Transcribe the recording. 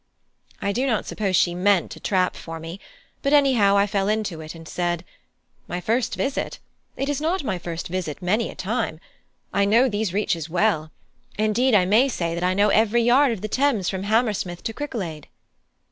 I do not suppose she meant a trap for me, but anyhow I fell into it, and said: "My first visit! It is not my first visit by many a time. I know these reaches well; indeed, I may say that I know every yard of the Thames from Hammersmith to Cricklade."